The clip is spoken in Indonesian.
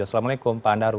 assalamualaikum pak andaru